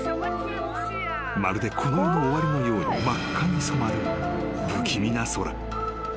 ［まるでこの世の終わりのように真っ赤に染まる不気味な空］